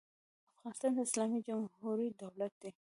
افغانستان د اسلامي جمهوري دولت دی.